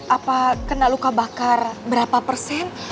apa kena luka bakar berapa persen